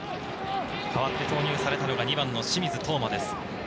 代わって投入されたのが２番の清水冬真です。